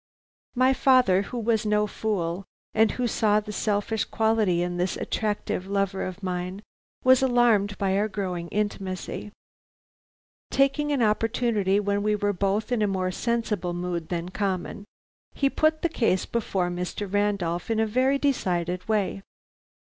"My father, who was no fool, and who saw the selfish quality in this attractive lover of mine, was alarmed by our growing intimacy. Taking an opportunity when we were both in a more sensible mood than common, he put the case before Mr. Randolph in a very decided way.